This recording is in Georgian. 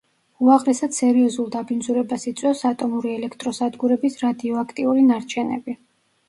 უაღრესად სერიოზულ დაბინძურებას იწვევს ატომური ელექტროსადგურების რადიოაქტიური ნარჩენები.